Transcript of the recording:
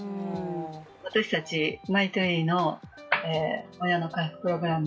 私たちＭＹＴＲＥＥの親の回復プログラム